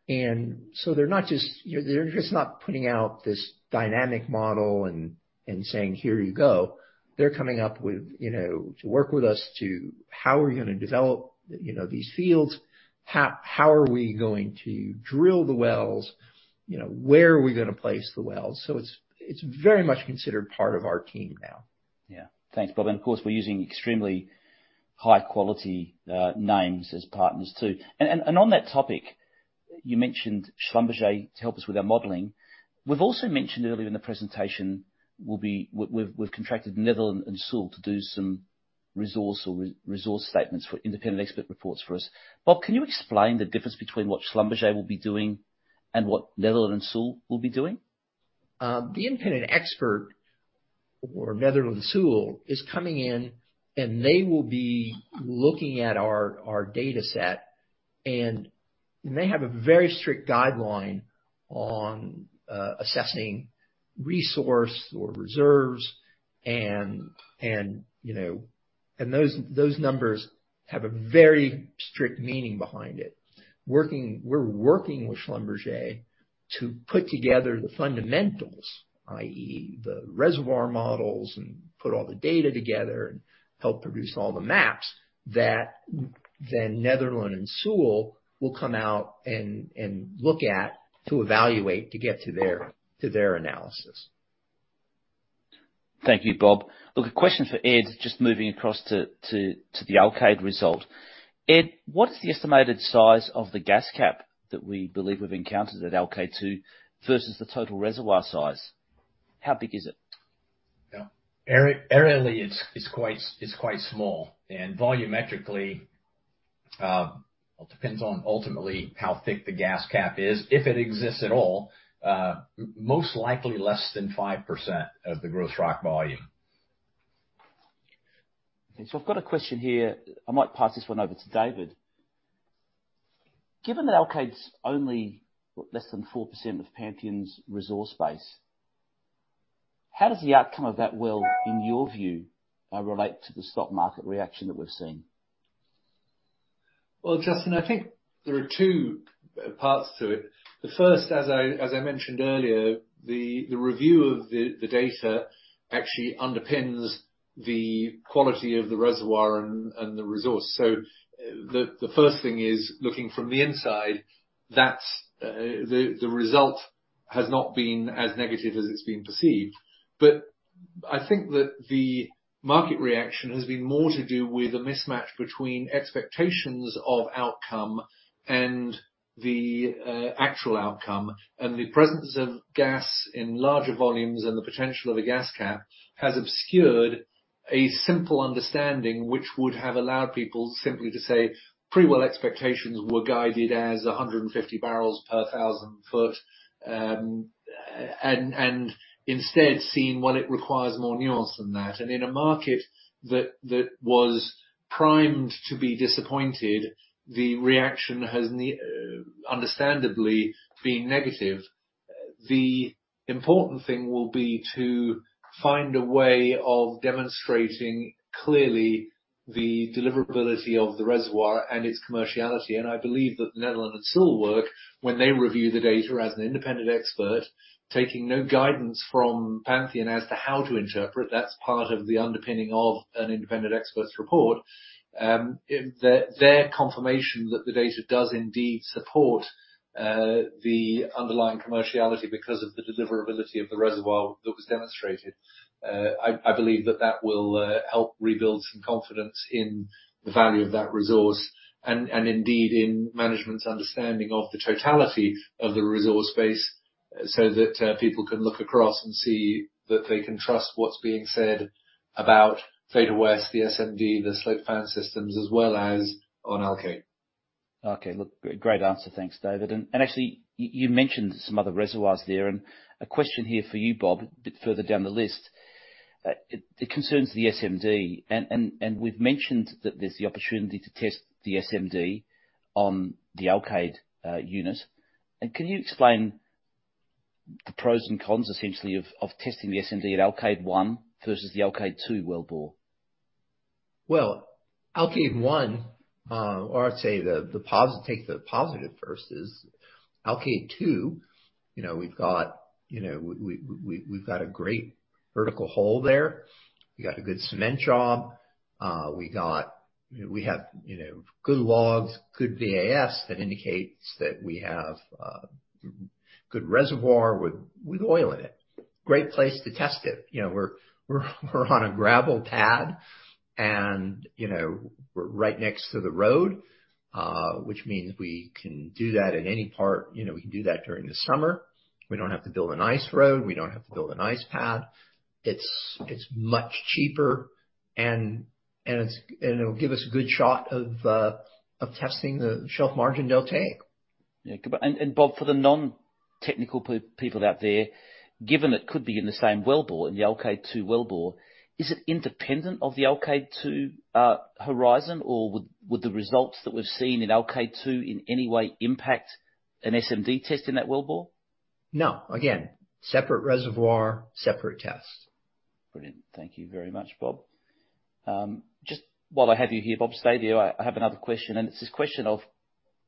They're not just. You know, they're just not putting out this dynamic model and saying, "Here you go." They're coming up with, you know, to work with us to how we're gonna develop, you know, these fields. How are we going to drill the wells? You know, where are we gonna place the wells? So it's very much considered part of our team now. Thanks, Bob. Of course, we're using extremely high quality names as partners too. On that topic, you mentioned Schlumberger to help us with our modeling. We've also mentioned earlier in the presentation we've contracted Netherland and Sewell to do some resource or re-resource statements for independent expert reports for us. Bob, can you explain the difference between what Schlumberger will be doing and what Netherland and Sewell will be doing? The independent expert or Netherland and Sewell is coming in, and they will be looking at our dataset. They have a very strict guideline on assessing resource or reserves, and those numbers have a very strict meaning behind it. We're working with Schlumberger to put together the fundamentals, i.e., the reservoir models and put all the data together and help produce all the maps that then Netherland and Sewell will come out and look at to evaluate to get to their analysis. Thank you, Bob. Look, a question for Ed, just moving across to the Alkaid result. Ed, what is the estimated size of the gas cap that we believe we've encountered at Alkaid-2 versus the total reservoir size? How big is it? Yeah. Aerially it's quite small. Volumetrically, well, it depends on ultimately how thick the gas cap is. If it exists at all, most likely less than 5% of the gross rock volume. Okay. I've got a question here. I might pass this one over to David. Given that Alkaid's only less than 4% of Pantheon's resource base, how does the outcome of that well in your view relate to the stock market reaction that we've seen? Well, Justin, I think there are two parts to it. The first, as I mentioned earlier, the review of the data actually underpins the quality of the reservoir and the resource. The first thing is, looking from the inside, that's the result has not been as negative as it's been perceived. I think that the market reaction has been more to do with a mismatch between expectations of outcome and the actual outcome. The presence of gas in larger volumes and the potential of a gas cap has obscured A simple understanding which would have allowed people simply to say pre-well expectations were guided as 150 bbl per thousand foot, and instead seeing while it requires more nuance than that. In a market that was primed to be disappointed, the reaction has understandably been negative. The important thing will be to find a way of demonstrating clearly the deliverability of the reservoir and its commerciality. I believe that Netherland and Sewell work when they review the data as an independent expert, taking no guidance from Pantheon as to how to interpret. That's part of the underpinning of an independent expert's report. If their confirmation that the data does indeed support the underlying commerciality because of the deliverability of the reservoir that was demonstrated. I believe that will help rebuild some confidence in the value of that resource and indeed in management's understanding of the totality of the resource base, so that people can look across and see that they can trust what's being said about Theta West, the SMD, the slope fan systems, as well as on Alkaid. Okay. Look, great answer. Thanks, David. Actually, you mentioned some other reservoirs there. A question here for you, Bob, a bit further down the list. It concerns the SMD. We've mentioned that there's the opportunity to test the SMD on the Alkaid unit. Can you explain the pros and cons essentially of testing the SMD at Alkaid one versus the Alkaid-2 wellbore? Well, Alkaid-1, or I'd say take the positive first is Alkaid-2, you know, we've got a great vertical hole there. We've got a good cement job. We have good logs, good VAS that indicates that we have good reservoir with oil in it. Great place to test it. You know, we're on a gravel pad and, you know, we're right next to the road, which means we can do that at any part. You know, we can do that during the summer. We don't have to build an ice road. We don't have to build an ice pad. It's much cheaper and it'll give us a good shot of testing the shelf margin delta. Bob, for the non-technical people out there, given it could be in the same wellbore, in the Alkaid-2 wellbore, is it independent of the Alkaid-2 horizon? Or would the results that we've seen in Alkaid-2 in any way impact an SMD test in that wellbore? No. Again, separate reservoir, separate test. Brilliant. Thank you very much, Bob. Just while I have you here, Bob, stay there. I have another question, and it's this question of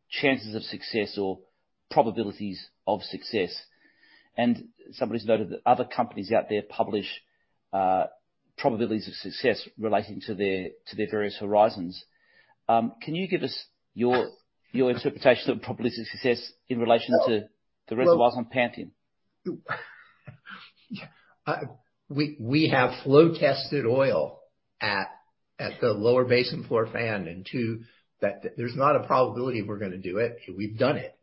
chances of success or probabilities of success. Somebody's noted that other companies out there publish probabilities of success relating to their various horizons. Can you give us your interpretation of probabilities of success in relation to the reservoirs on Pantheon? We have flow tested oil at the Lower Basin Floor Fan, and too, that there's not a probability we're gonna do it. We've done it.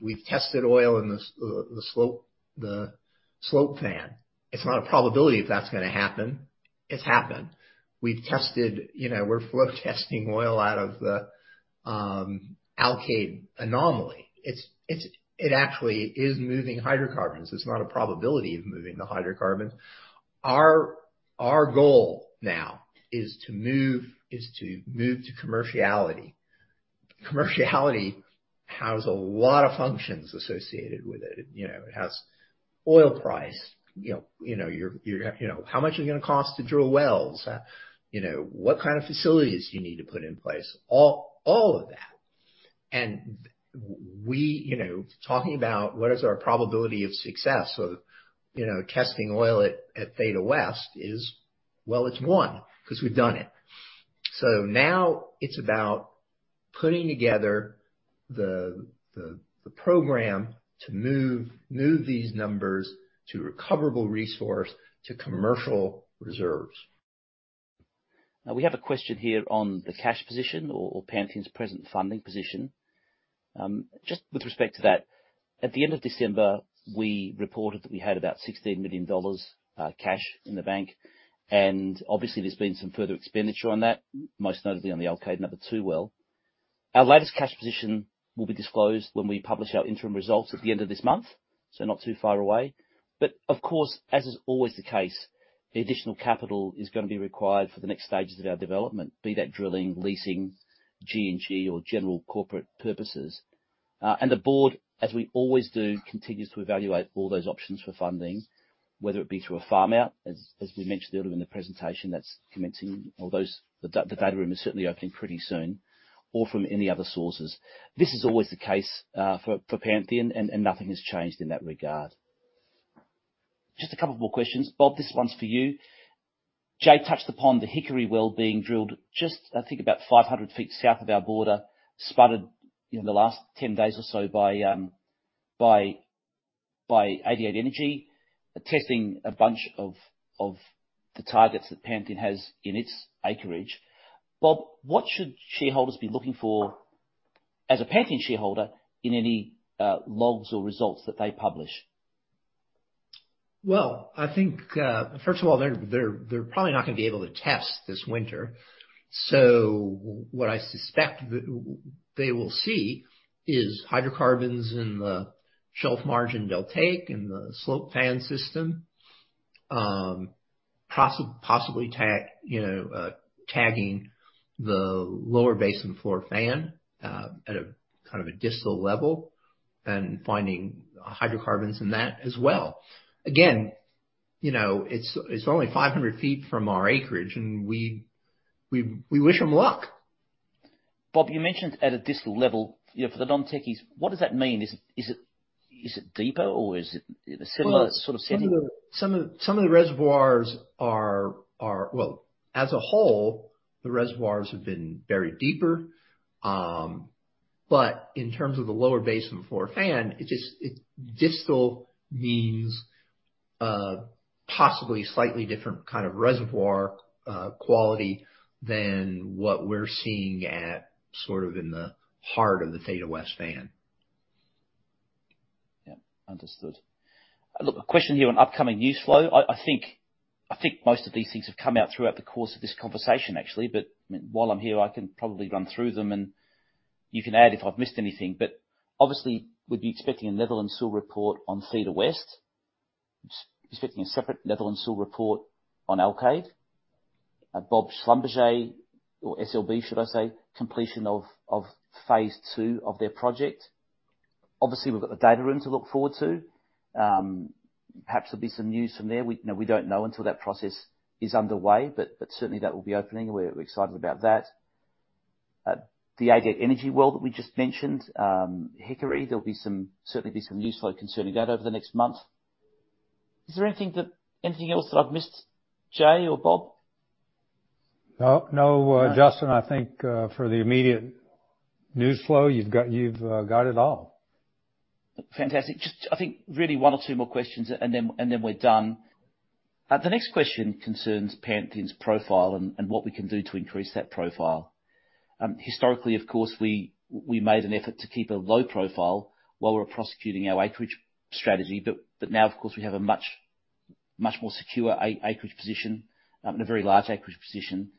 We've tested oil in the Slope Fan. It's not a probability if that's gonna happen. It's happened. We've tested, you know, we're flow testing oil out of the Alkaid anomaly. It actually is moving hydrocarbons. It's not a probability of moving the hydrocarbons. Our goal now is to move to commerciality. Commerciality has a lot of functions associated with it. You know, it has oil price. You know, how much is it gonna cost to drill wells? You know, what kind of facilities you need to put in place? All of that. We, you know, talking about what is our probability of success of, you know, testing oil at Theta West is, well, it's one, 'cause we've done it. Now it's about putting together the program to move these numbers to recoverable resource, to commercial reserves. We have a question here on the cash position or Pantheon's present funding position. Just with respect to that, at the end of December, we reported that we had about $16 million cash in the bank, and obviously there's been some further expenditure on that, most notably on the Alkaid-2 well. Our latest cash position will be disclosed when we publish our interim results at the end of this month, so not too far away. Of course, as is always the case, additional capital is gonna be required for the next stages of our development, be that drilling, leasing, G&G or general corporate purposes. The board, as we always do, continues to evaluate all those options for funding, whether it be through a farm-out, as we mentioned earlier in the presentation, that's commencing. Although the data room is certainly opening pretty soon, or from any other sources. This is always the case for Pantheon, and nothing has changed in that regard. Just a couple more questions. Bob, this one's for you. Jay touched upon the Hickory well being drilled just, I think, about 500 ft south of our border, spotted in the last 10 days or so by 88 Energy. Testing a bunch of the targets that Pantheon has in its acreage. Bob, what should shareholders be looking for as a Pantheon shareholder in any logs or results that they publish. Well, I think, first of all, they're probably not gonna be able to test this winter. So what I suspect they will see is hydrocarbons in the Shelf Margin Deltaic and the Slope Fan System. Possibly tag, you know, tagging the Lower Basin Floor Fan at a kind of a distal level and finding hydrocarbons in that as well. Again, you know, it's only 500 ft from our acreage, and we wish them luck. Bob, you mentioned at a distal level, you know, for the non-techies, what does that mean? Is it deeper or is it a similar sort of setting? Well, as a whole, the reservoirs have been buried deeper. In terms of the Lower Basin Floor Fan, distal means possibly slightly different kind of reservoir quality than what we're seeing at, sort of in the heart of the Theta West fan. Yeah. Understood. Look, a question here on upcoming news flow. I think most of these things have come out throughout the course of this conversation, actually. While I'm here, I can probably run through them and you can add if I've missed anything. Obviously, we'd be expecting a Netherland, Sewell report on Theta West. Expecting a separate Netherland, Sewell report on Alkaid. Bob, Schlumberger or SLB, should I say, completion of phase II of their project. Obviously, we've got the data room to look forward to. Perhaps there'll be some news from there. You know, we don't know until that process is underway, but certainly that will be opening. We're excited about that. The ADAC Energy World that we just mentioned, Hickory, there'll be some news flow concerning that over the next month. Anything else that I've missed, Jay or Bob? No, no, Justin. I think, for the immediate news flow you've got, you've got it all. Fantastic. Just, I think really one or two more questions and then we're done. The next question concerns Pantheon's profile and what we can do to increase that profile. Historically, of course, we made an effort to keep a low profile while we were prosecuting our acreage strategy. But now, of course, we have a much more secure acreage position and a very large acreage position,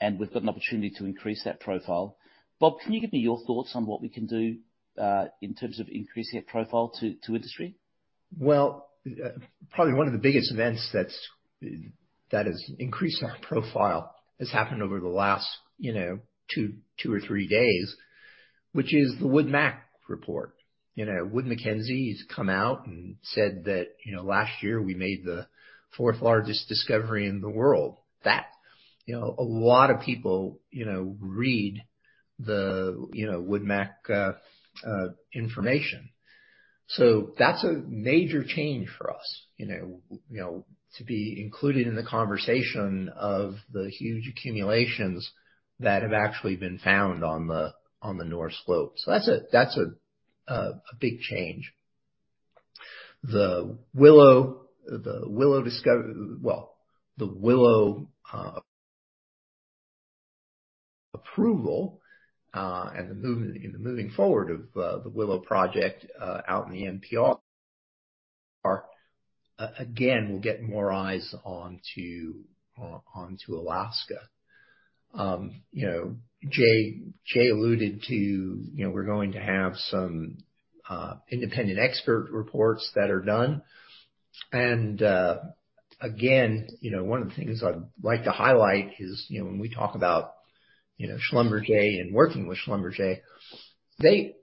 and we've got an opportunity to increase that profile. Bob, can you give me your thoughts on what we can do in terms of increasing our profile to industry? Well, probably one of the biggest events that has increased our profile has happened over the last, you know, two or three days, which is the WoodMac report. You know, Wood Mackenzie's come out and said that, you know, last year we made the fourth largest discovery in the world. That. You know, a lot of people, you know, read the, you know, WoodMac information. So that's a major change for us, you know, to be included in the conversation of the huge accumulations that have actually been found on the North Slope. So that's a big change. The Willow approval and the moving forward of the Willow project out in the NPR again will get more eyes onto Alaska. You know, Jay alluded to, you know, we're going to have some independent expert reports that are done. Again, you know, one of the things I'd like to highlight is, you know, when we talk about, you know, Schlumberger and working with Schlumberger, they,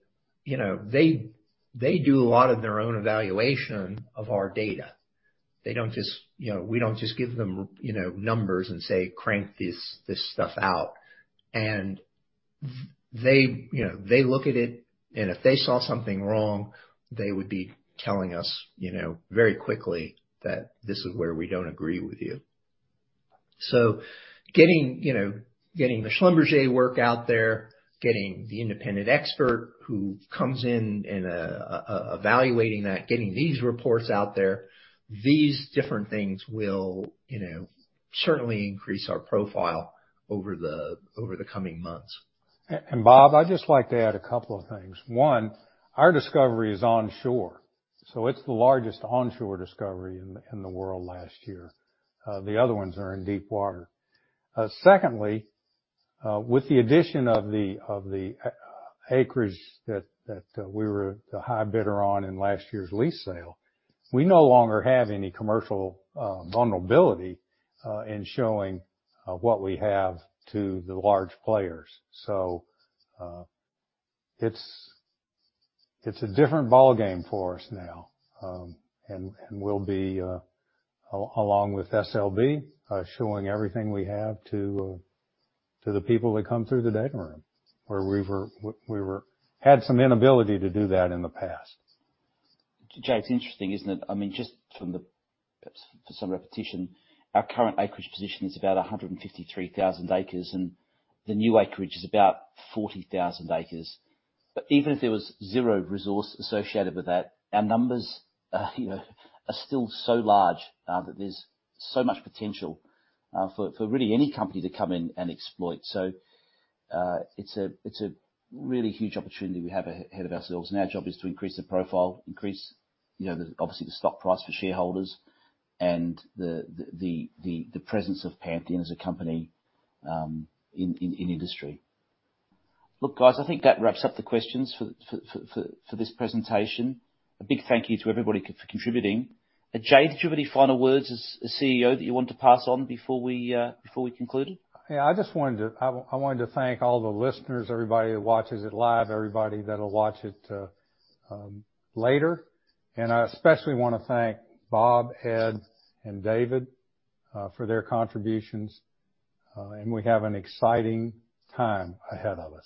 you know, they do a lot of their own evaluation of our data. They don't just, you know, we don't just give them, you know, numbers and say, "Crank this stuff out." They, you know, they look at it, and if they saw something wrong, they would be telling us, you know, very quickly that this is where we don't agree with you. Getting, you know, the Schlumberger work out there, getting the independent expert who comes in and evaluating that, getting these reports out there, these different things will, you know, certainly increase our profile over the coming months. Bob, I'd just like to add a couple of things. One, our discovery is onshore, so it's the largest onshore discovery in the world last year. The other ones are in deep water. Secondly, with the addition of the acreage that we were the high bidder on in last year's lease sale, we no longer have any commercial vulnerability in showing what we have to the large players. It's a different ballgame for us now. We'll be along with SLB showing everything we have to the people that come through the data room where we had some inability to do that in the past. Jay, it's interesting, isn't it? I mean, just from perhaps for some repetition, our current acreage position is about 153,000 acres, and the new acreage is about 40,000 acres. But even if there was zero resource associated with that, our numbers, you know, are still so large that there's so much potential for really any company to come in and exploit. It's a really huge opportunity we have ahead of ourselves, and our job is to increase the profile, increase, you know, the obviously the stock price for shareholders and the presence of Pantheon as a company in industry. Look, guys, I think that wraps up the questions for this presentation. A big thank you to everybody for contributing. Jay, did you have any final words as CEO that you want to pass on before we conclude? Yeah. I wanted to thank all the listeners, everybody that watches it live, everybody that'll watch it, later. I especially wanna thank Bob, Ed, and David, for their contributions. We have an exciting time ahead of us.